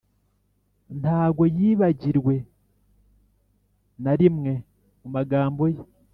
ntago yibagirwe na rimwe mu magambo ye: